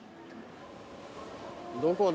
どこだ？